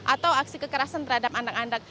atau aksi kekerasan terhadap anak anak